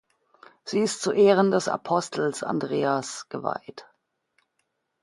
Sie ist zu Ehren des Apostels Andreas geweiht.